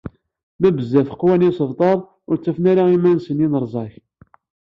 Ma bezzaf qwan yisebtar, ur ttafen ara iman-nsen yinerza-k.